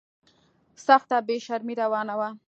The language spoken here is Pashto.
سخته بې شرمي روانه وه.